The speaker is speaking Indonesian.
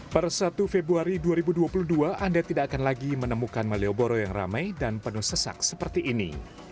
per satu februari dua ribu dua puluh dua anda tidak akan lagi menemukan malioboro yang ramai dan penuh sesak seperti ini